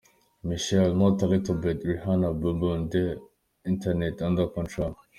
Michelle – Not A Little Bit Rihanna – Bbhmm The Internet – Under Control.